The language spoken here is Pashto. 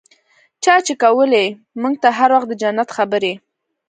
چا چې کولې موږ ته هر وخت د جنت خبرې.